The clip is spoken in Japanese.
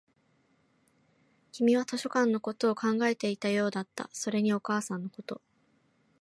君は図書館のことを考えていたようだった、それにお母さんのこと